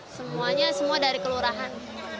semuanya semua dari kelurahan